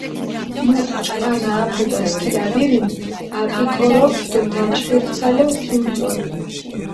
მუთ ჭყანა აფუდჷ ასქილადირინ, აკიკოროფჷ დო დაჩხირცალო ქიმწოლჷ.